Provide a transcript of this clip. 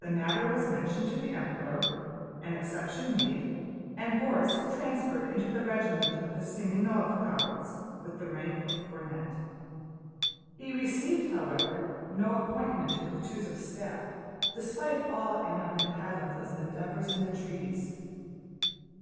The matter was mentioned to the Emperor, an exception made, and Borís transferred into the regiment of Semënov Guards with the rank of cornet. He received, however, no appointment to Kutúzov's staff despite all Anna Mikháylovna's endeavors and entreaties.